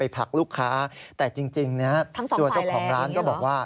ผักลูกค้าแต่จริงตัวเจ้าของร้านก็บอกว่า